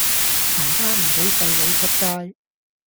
爸爸唔畀細佬出街